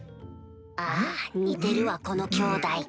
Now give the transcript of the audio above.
あぁ似てるわこの兄弟